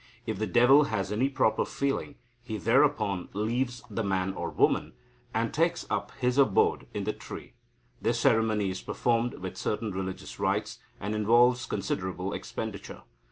If the devil has any proper feeling, he thereupon leaves the man or woman, and takes up his abode in the tree. This ceremony is performed with certain religious rites, and involves considerable expenditure.